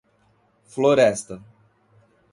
Floresta